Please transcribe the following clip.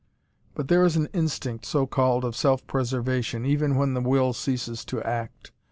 But there is an instinct, so called, of self preservation, even when the will ceases to act.